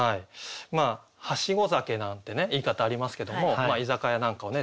はしご酒なんてね言い方ありますけども居酒屋なんかをね